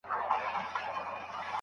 زما له مخي دوې مچکي واخلي بیرته ځغلي